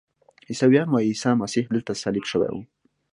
عیسویان وایي عیسی مسیح دلته صلیب شوی و.